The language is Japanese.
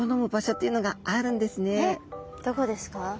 どこですか？